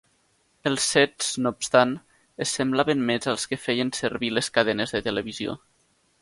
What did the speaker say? Els sets, no obstant, es semblaven més als que feien servir les cadenes de televisió.